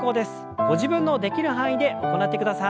ご自分のできる範囲で行ってください。